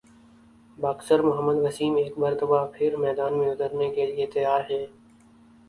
boxer Muhammad Waseem ایک مرتبہ پھر میدان میں اترنےکیلئے تیار ہیں